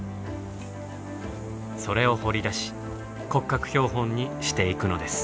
それを掘り出し骨格標本にしていくのです。